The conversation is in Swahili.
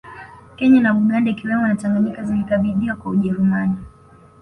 Kenya na Buganda ikiwemo na Tanganyika zilikabidhiwa kwa Ujerumani